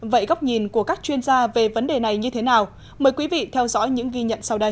vậy góc nhìn của các chuyên gia về vấn đề này như thế nào mời quý vị theo dõi những ghi nhận sau đây